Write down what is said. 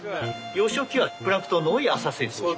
幼少期はプランクトンの多い浅瀬に。